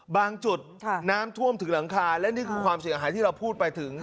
บางจุดน้ำท่วมถึงหลังคาและนี่คือความเสียหายที่เราพูดไปถึง